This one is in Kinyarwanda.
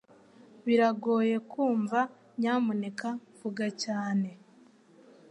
Biragoye kumva, nyamuneka vuga cyane